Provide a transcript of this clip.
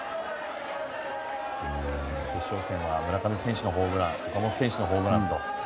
決勝戦は村上選手のホームラン岡本選手のホームランと。